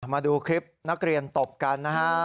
มาดูคลิปนักเรียนตบกันนะฮะ